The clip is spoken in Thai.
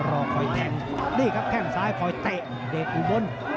รอคอยแทงนี่ครับแข้งซ้ายคอยเตะเดชอุบล